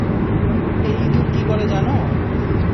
এই ইঁদুর কী করে জানো?